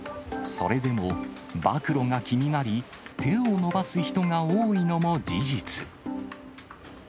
それでも暴露が気になり、手を伸ばす人が多いのも事実。